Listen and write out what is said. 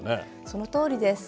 そのとおりです。